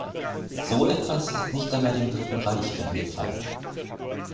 So etwas ist nicht einmal dem Dritten Reich eingefallen.